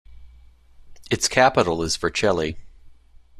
Its capital is Vercelli.